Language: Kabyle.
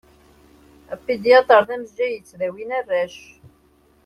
Apidyatṛ d amejjay yettdawin arrac.